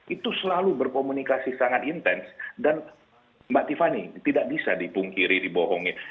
itu selalu berkomunikasi sangat intens dan mbak tiffany tidak bisa dipungkiri dibohongin